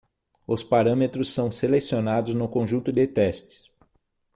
Os parâmetros são selecionados no conjunto de testes.